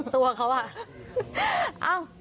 ตัวเขาอ่ะ